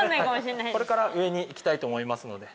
これから上に行きたいと思いますので。